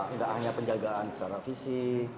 tidak hanya penjagaan secara fisik